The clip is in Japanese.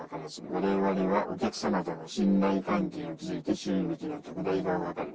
われわれは、お客様との信頼関係を築いて収益の極大化を図る。